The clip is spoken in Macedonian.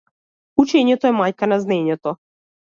Учењето е мајка на знаењето.